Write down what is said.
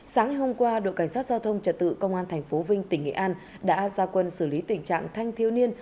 sáng hôm qua đội cảnh sát giao thông trật tự công an thành phố vinh tỉnh nghệ an đã ra quân xử lý tình trạng thanh thiếu niên